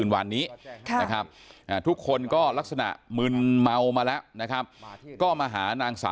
วันนี้นะครับพันธ์บดเอกพรเทพเมชครรักษ์คุมกรรมการศ